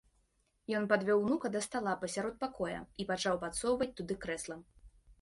Ён падвёў унука да стала пасярод пакоя і пачаў падсоўваць туды крэсла.